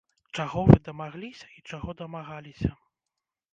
Чаго вы дамагліся, і чаго дамагаліся?